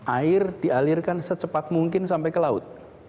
air dialirkan secepat mungkin sampai ke laut